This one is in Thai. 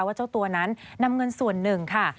เจ้าตัวนั้นนำเงินส่วนหนึ่งค่ะ